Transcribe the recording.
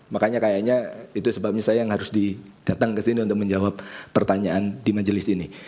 makanya kayaknya itu sebabnya saya yang harus datang ke sini untuk menjawab pertanyaan di majelis ini